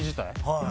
はい。